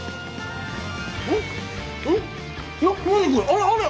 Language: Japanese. あれあれ？